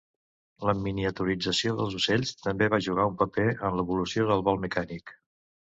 La miniaturització dels ocells també va jugar un paper en l'evolució del vol mecànic.